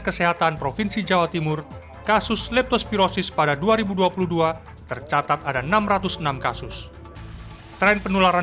kesehatan provinsi jawa timur kasus leptospirosis pada dua ribu dua puluh dua tercatat ada enam ratus enam kasus tren penularan